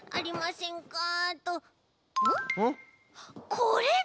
これだ！